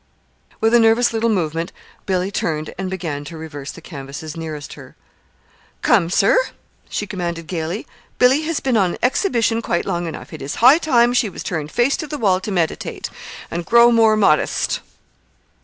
With a nervous little movement Billy turned and began to reverse the canvases nearest her. "Come, sir," she commanded gayly. "Billy has been on exhibition quite long enough. It is high time she was turned face to the wall to meditate, and grow more modest."